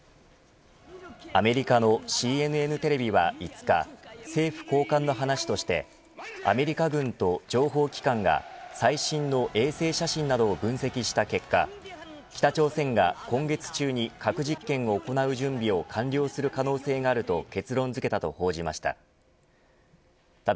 アメリカのＣＮＮテレビは５日政府高官の話としてアメリカ軍と情報機関が最新の衛星写真などを分析した結果北朝鮮が今月中に核実験を行う準備を完了する可能性があると結論付けたと報じました。